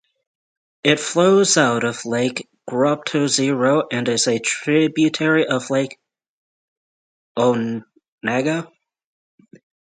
It flows out of Lake Groptozero and is a tributary of Lake Onega.